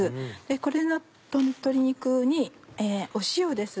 これ鶏肉に塩です。